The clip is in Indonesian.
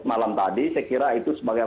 malam tadi saya kira itu sebagai